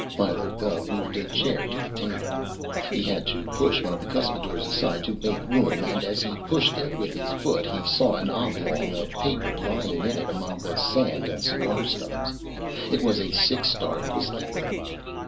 Philo Gubb moved a chair to the table. He had to push one of the cuspidors aside to make room, and as he pushed it with his foot he saw an oblong of paper lying in it among the sand and cigar stubs. It was a Six Star whiskey label.